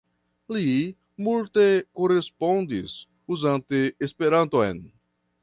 Li multe korespondis uzante Esperanton.